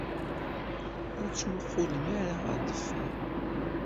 Ur tettmuqqulem ara ɣer deffir.